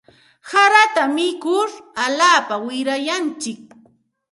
Harata mikur alaapa wirayantsik.